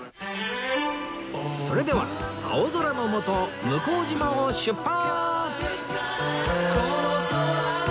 それでは青空の下向島を出発！